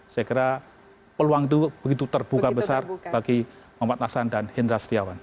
saya kira peluang itu begitu terbuka besar bagi muhammad nasan dan hendra setiawan